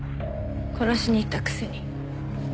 殺しに行ったくせに。